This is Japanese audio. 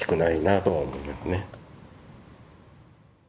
とは思いますね。